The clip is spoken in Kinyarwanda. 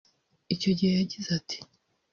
Icyo gihe yagize ati